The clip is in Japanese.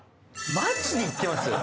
マジに言ってます？